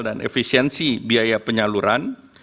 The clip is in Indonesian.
dan efisiensi biaya penyaluran